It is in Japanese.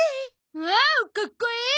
おおかっこいい！